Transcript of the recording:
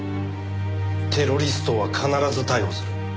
テロリストは必ず逮捕する。